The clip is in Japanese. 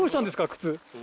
靴。